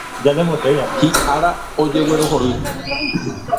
Hi'ára ojeguerohory.